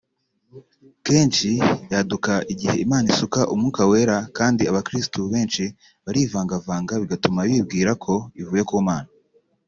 Kenshi yaduka igihe Imana isuka Umwuka Wera kandi abakiristu benshi barivangavanga bigatuma bibwira ko ivuye ku Mana